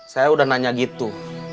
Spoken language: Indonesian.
saya udah nanya gitu